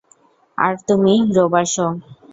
আর তুমি, রোবোশো?